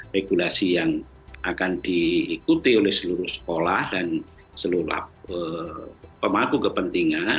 regulasi yang akan diikuti oleh seluruh sekolah dan seluruh pemangku kepentingan